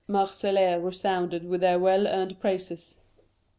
Marseilles resounded with their well earned praises.